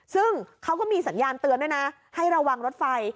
ซึ่งเขาก็มีสัญญาณเตือนด้วยนะให้ระวังรถไฟ